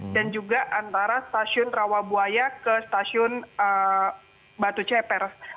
dan juga antara stasiun rawabuaya ke stasiun batu cepers